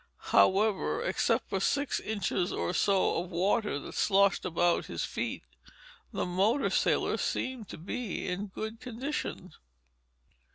However, except for six inches or so of water that sloshed about his feet, the motor sailor seemed to be in good condition.